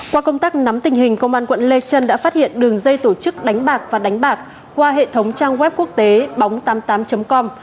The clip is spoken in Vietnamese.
qua công tác nắm tình hình công an quận lê trân đã phát hiện đường dây tổ chức đánh bạc và đánh bạc qua hệ thống trang web quốc tế bóng tám mươi tám com